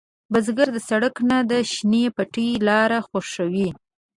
بزګر د سړک نه، د شنې پټي لاره خوښوي